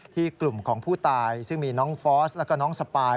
กลุ่มของผู้ตายซึ่งมีน้องฟอสแล้วก็น้องสปาย